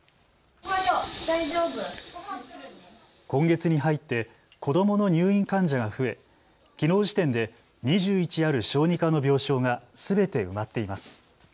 今月に入って子どもの入院患者が増え、きのう時点で２１ある小児科の病床がすべて埋まっています。